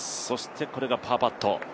そしてこれがパーパット。